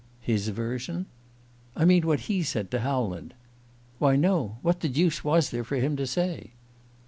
"His version?" "I mean what he said to Howland." "Why no. What the deuce was there for him to say?"